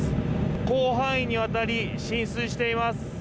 広範囲にわたり、浸水しています。